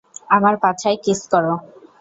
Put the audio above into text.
আমার পাছায় কিস করো।